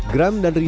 gram dan risa